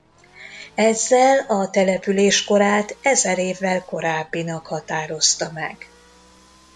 Ezzel a település korát ezer évvel korábbinak határozta meg.